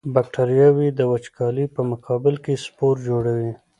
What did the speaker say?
بکټریاوې د وچوالي په مقابل کې سپور جوړوي.